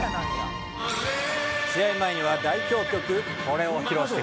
試合前には代表曲これを披露してくれたと。